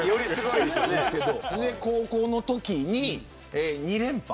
高校のときに２連覇。